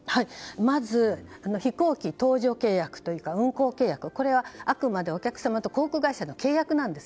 まず飛行機搭乗契約運航契約はあくまでお客様と航空会社の契約なんです。